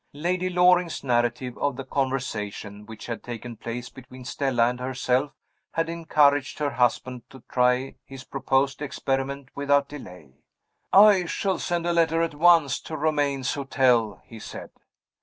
Lady Loring's narrative of the conversation which had taken place between Stella and herself had encouraged her husband to try his proposed experiment without delay. "I shall send a letter at once to Romayne's hotel," he said.